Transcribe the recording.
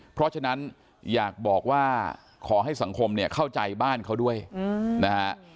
เพราะฉะนั้นอยากบอกว่าขอให้สังคมเนี่ยเข้าใจบ้านเขาด้วยนะฮะ